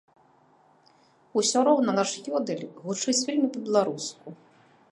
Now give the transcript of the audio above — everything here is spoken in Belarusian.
Усё роўна наш ёдэль гучыць вельмі па-беларуску.